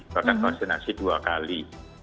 bahkan vaksinasi dua kali